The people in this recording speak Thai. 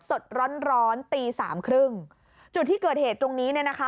สดร้อนร้อนตีสามครึ่งจุดที่เกิดเหตุตรงนี้เนี่ยนะคะ